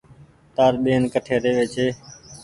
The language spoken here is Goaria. تآر ٻين ڪٺي رهي وي ڇي۔